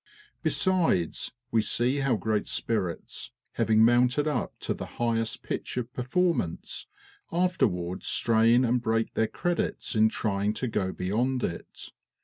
Besides, we see how great spirits, having mounted up to the highest pitch of performance, afterward strain and break their credits in trying to go beyond it.